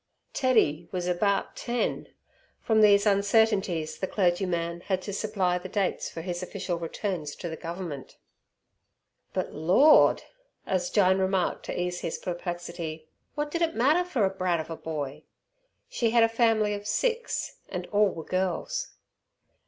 Teddy was "about ten". From these uncertainties the clergyman had to supply the dates for his official returns to the Government. "But Lawd," as Jyne remarked to ease his perplexity, "wot did it matter fer a brat of er boy?" She had a family of six, and all were girls.